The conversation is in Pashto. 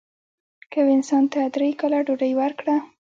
که یو انسان ته درې کاله ډوډۍ ورکړه.